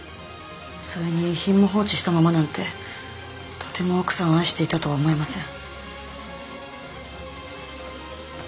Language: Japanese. それに遺品も放置したままなんてとても奥さんを愛していたとは思えません。